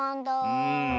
うん。